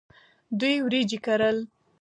دوی وریجې کرل.